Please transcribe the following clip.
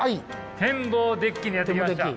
天望デッキにやって来ました。